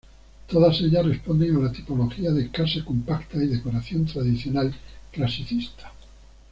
Todas ellas responden a la tipología de casa compacta y decoración tradicional-clasicista.